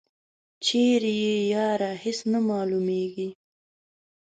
چیری یی یاره هیڅ نه معلومیږي.